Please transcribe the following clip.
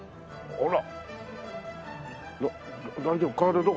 あら。